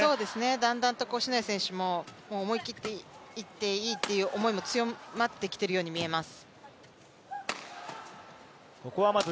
だんだんと篠谷選手も思い切っていっていいという思いも強まってきているように見えます。